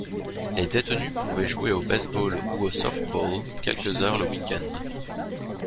Les détenus pouvaient jouer au baseball ou au softball quelques heures le week-end.